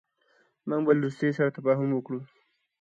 موږ به له روسیې سره تفاهم وکړو.